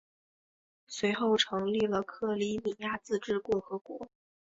随后成立了克里米亚自治共和国。